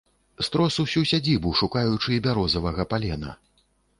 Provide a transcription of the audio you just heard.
Строс ўсю сядзібу, шукаючы бярозавага палена.